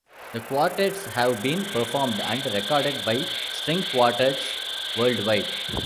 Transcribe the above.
The quartets have been performed and recorded by string quartets worldwide.